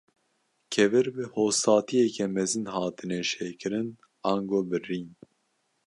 Kevir bi hostatiyeke mezin hatine şekirin, ango birîn.